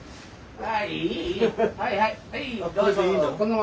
はい。